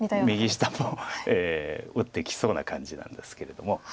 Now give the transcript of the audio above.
右下も打ってきそうな感じなんですけれども。